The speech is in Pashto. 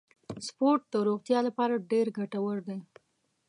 سپورت د روغتیا لپاره ډیر ګټور دی.